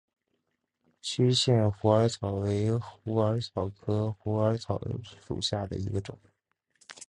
区限虎耳草为虎耳草科虎耳草属下的一个种。